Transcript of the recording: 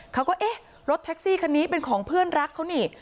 เขาก็เอ๊ะรถแท็กซี่คันนี้เป็นของเพื่อนรักเขานี่